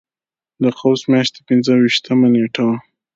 د قوس میاشتې پنځه ویشتمه نېټه وه.